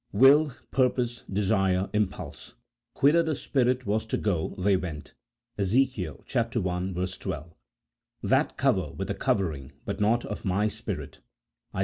Will, purpose, desire, impulse: "Whither the spirit Avas to go, they went," Ezek. i. 12 ;" That cover with a covering, but not of My Spirit," Is.